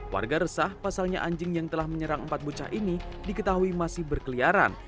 warga resah pasalnya anjing yang telah menyerang empat bocah ini diketahui masih berkeliaran